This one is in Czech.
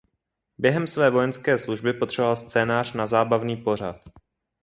Během své vojenské služby potřeboval scénář na zábavný pořad.